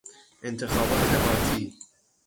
انتخابات آتی